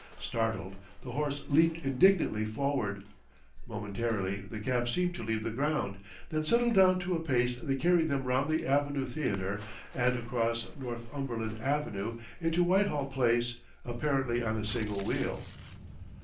Startled, the horse leaped indignantly forward. Momentarily the cab seemed to leave the ground, then settled down to a pace that carried them round the Avenue Theatre and across Northumberland Avenue into Whitehall Place apparently on a single wheel.